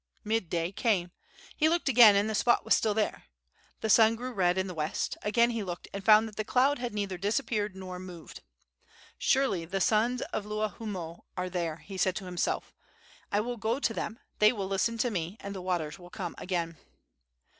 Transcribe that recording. Midday came. He looked again, and the spot was still there. The sun grew red in the west. Again he looked and found that the cloud had neither disappeared nor moved. "Surely the sons of Luahoomoe are there," he said to himself. "I will go to them; they will listen to me, and the waters will come again."